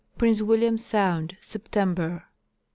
Prince William sound, September.